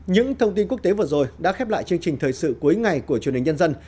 những thông tin quốc tế vừa rồi đã khép lại chương trình thời sự cuối ngày của truyền hình nhân dân